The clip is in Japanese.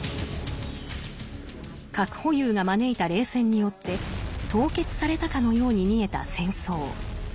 核保有が招いた冷戦によって凍結されたかのように見えた戦争。